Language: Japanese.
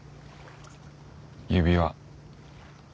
指輪。